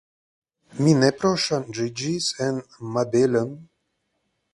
Mi nepre ŝanĝiĝis en Mabelon.